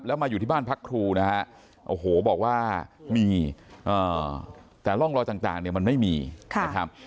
แล้วมาอยู่ที่บ้านพักครูนะฮะโอ้โหบอกว่ามีแต่ร่องรอยต่างเนี่ยมันไม่มีนะครับ